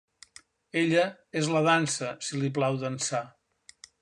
Ella és la dansa, si li plau dansar.